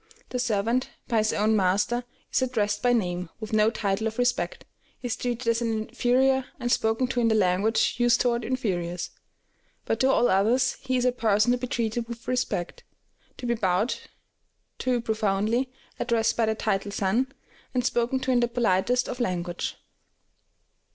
The servant, by his own master, is addressed by name, with no title of respect, is treated as an inferior, and spoken to in the language used toward inferiors; but to all others he is a person to be treated with respect, to be bowed to profoundly, addressed by the title San, and spoken to in the politest of language.